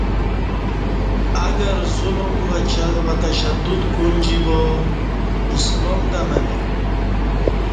اگر ظلم وتشدد کونجی با اسلام دمہ نئی